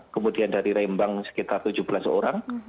kemudian dari rembang sekitar tujuh belas orang